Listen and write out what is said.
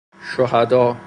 شهدا